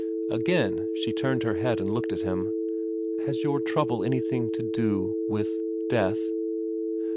Again she turned her head and looked at him. ' Has your trouble anything to do with death